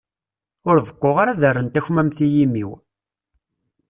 Ur beqquɣ ara ad rren takmamt i yimi-w.